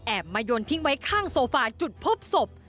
มายนทิ้งไว้ข้างโซฟาจุดพบศพ